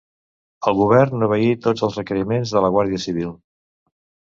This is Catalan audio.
El govern obeí tots els requeriments de la Guàrdia Civil